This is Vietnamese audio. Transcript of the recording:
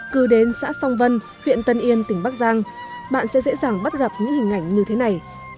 cứ đến xã song vân huyện tân yên tỉnh bắc giang bạn sẽ dễ dàng bắt gặp những hình ảnh như thế này